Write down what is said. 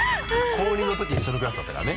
高２のとき一緒のクラスだったからね。